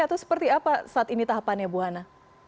atau seperti apa saat ini tahapannya bu hana